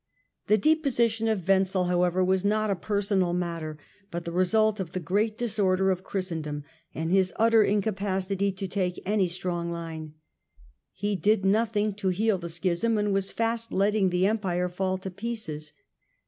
The deposition of Wenzel, however, was not a personal matter, but the result of the great disorder of Christendom, and his utter incapacity to take any strong line. He did nothing to heal the Schism and was fast letting the Empire fall to pieces.